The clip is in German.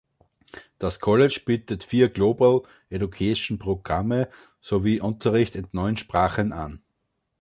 Das College bietet vier Global Education-Programme sowie Unterricht in neun Sprachen an.